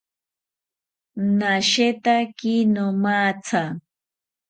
Nashetaki nomatha